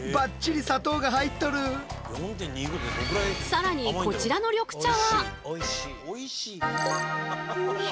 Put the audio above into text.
さらにこちらの緑茶は。